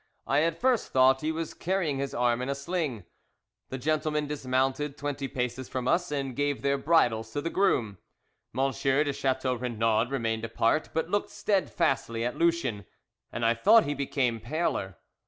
I at first thought he was carrying his arm in a sling. The gentlemen dismounted twenty paces from us, and gave their bridles to the groom. Monsieur de Chateau Renaud remained apart, but looked steadfastly at Lucien, and I thought he became paler.